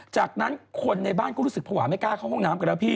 จากนั้นคนในบ้านก็รู้สึกภาวะไม่กล้าเข้าห้องน้ำกันแล้วพี่